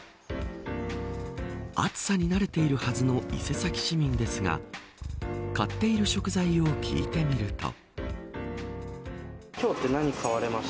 暑さに慣れているはずの伊勢崎市民ですが買っている食材を聞いてみると。